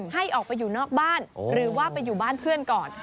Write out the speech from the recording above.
ให้ออกไปอยู่นอกบ้านหรือว่าไปอยู่บ้านเพื่อนก่อน